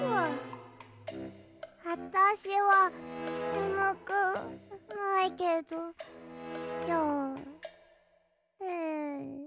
あたしはねむくないけどじゃあん。